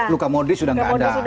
luka modis sudah tidak ada